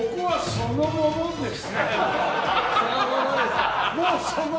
そのものですか。